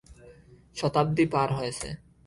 শতাব্দী পার হয়েছে।